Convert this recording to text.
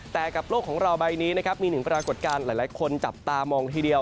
แต่กับโลกของเราใบนี้นะครับมีหนึ่งปรากฏการณ์หลายคนจับตามองทีเดียว